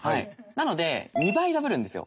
なので２倍ダブるんですよ。